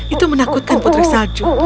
itu menakutkan putri salju